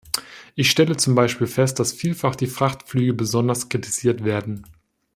Ich stelle zum Beispiel fest, dass vielfach die Frachtflüge besonders kritisiert werden.